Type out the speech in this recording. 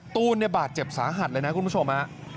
ตูนเนี่ยบาดเจ็บสาหัสเลยนะคุณผู้ชมฮะ